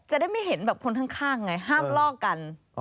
จะได้ไม่เห็นแบบคนข้างไงห้ามลอกกัน